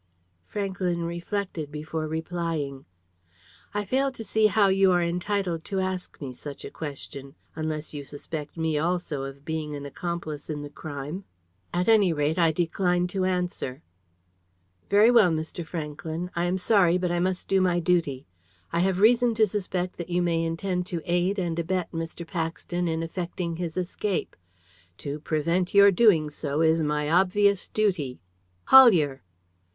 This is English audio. Franklyn reflected before replying. "I fail to see how you are entitled to ask me such a question; unless you suspect me also of being an accomplice in the crime. At any rate I decline to answer." "Very well, Mr. Franklyn, I am sorry, but I must do my duty. I have reason to suspect that you may intend to aid and abet Mr. Paxton in effecting his escape. To prevent your doing so is my obvious duty. Hollier!"